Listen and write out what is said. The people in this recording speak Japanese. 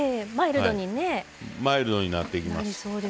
マイルドになっていきます。